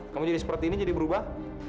kamu jadi seperti ini jadi berubah